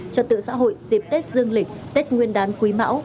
trật tự xã hội dịp tết dương lịch tết nguyên đán quý mão